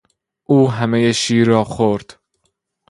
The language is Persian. او همهی شیر را خورد.